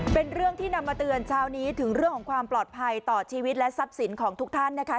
เป็นเรื่องที่นำมาเตือนเช้านี้ถึงเรื่องของความปลอดภัยต่อชีวิตและทรัพย์สินของทุกท่านนะคะ